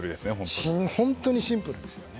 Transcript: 本当にシンプルですよね。